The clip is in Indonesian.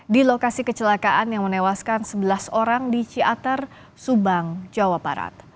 di lokasi kecelakaan yang menewaskan sebelas orang di ciatar subang jawa barat